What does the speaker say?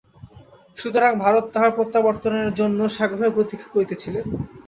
সুতরাং ভরত তাঁহার প্রত্যাবর্তনের জন্য সাগ্রহে প্রতীক্ষা করিতেছিলেন।